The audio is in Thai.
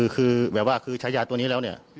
คือแบบว่าคือใช้ยาตัวนี้แล้วเนี่ย